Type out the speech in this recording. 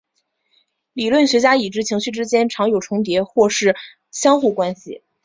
理论学家已知情绪之间常有重叠或是相互关系。